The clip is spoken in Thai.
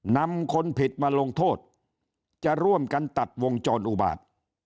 นำคนผิดมาลงโทษจะร่วมกันตัดวงจรอุบาต